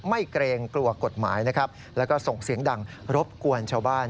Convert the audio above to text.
เกรงกลัวกฎหมายนะครับแล้วก็ส่งเสียงดังรบกวนชาวบ้าน